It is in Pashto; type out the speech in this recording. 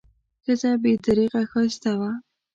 ښځه بې درېغه ښایسته وه.